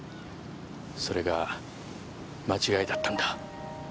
それが間違いだったんだ。